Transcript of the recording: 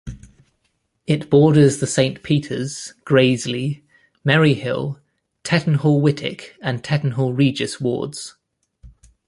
It borders the Saint Peter's, Graiseley, Merry Hill, Tettenhall Wightwick and Tettenhall Regis wards.